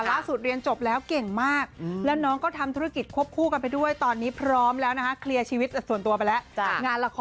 ล่าสุดเรียนจบแล้วเก่งมาก